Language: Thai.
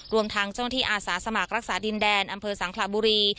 รวมทางเจ้าหน้าที่อาสาสมัครรักษาดินแดนอำเภอสังคลาบุรี